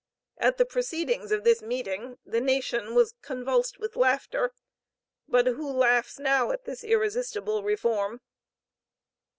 At the proceedings of this meeting, "the nation was convulsed with laughter." But who laughs now at this irresistible reform?